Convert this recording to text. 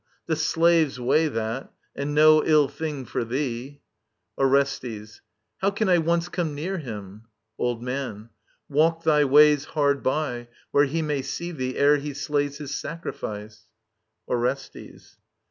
The slaves' way, that ; and no ill thing for thee ! Orestes. How can I once come near him ? Old Man. Walk thy ways Hard by, where he may see thee, ere he slays His sacrifice. Orestes.